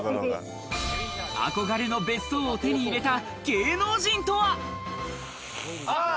憧れの別荘を手に入れた芸能人とは？